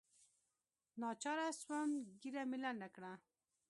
ناچاره سوم ږيره مې لنډه کړه.